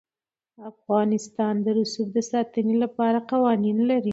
افغانستان د رسوب د ساتنې لپاره قوانین لري.